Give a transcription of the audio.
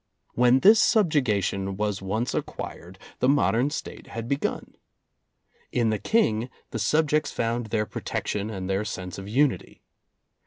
When this subjugation was once acquired, the modern State had begun. In the King, the sub jects found their protection and their sense of unity.